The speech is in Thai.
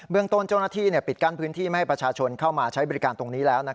เรื่องต้นเจ้าหน้าที่ปิดกั้นพื้นที่ไม่ให้ประชาชนเข้ามาใช้บริการตรงนี้แล้ว